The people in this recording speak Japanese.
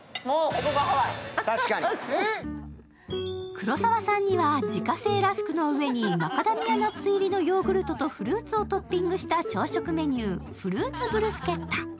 黒沢さんには自家製ラスクのいにマカダミアナッツ入りのヨーグルトとフルーツをトッピングしたメニュー、フルーツブルスケッタ。